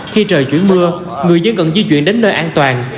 khi trời chuyển mưa người dân cần di chuyển đến nơi an toàn